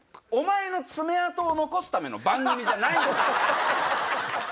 お前の爪痕を残すための番組じゃないんだよ。